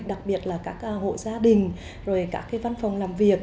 đặc biệt là các hộ gia đình rồi các văn phòng làm việc